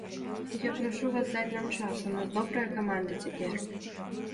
Я прашу вас даць нам час, у нас добрая каманда цяпер.